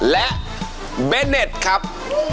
และเบนเนทครับ